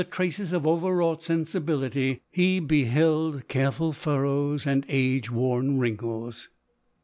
traces of over wrought sensibility, he beheld careful furrows and age worn wrinkles.